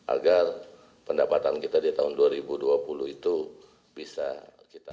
agar pendapatan kita di tahun dua ribu dua puluh itu bisa kita